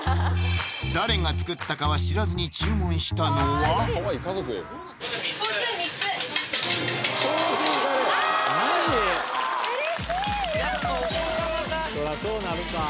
誰が作ったかは知らずに注文したのはわぁうれしい！